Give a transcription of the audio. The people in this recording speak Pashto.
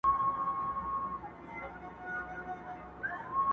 o د لاس د گوتو تر منځ لاهم فرق سته٫